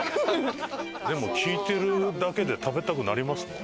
でも聞いてるだけで食べたくなりますね。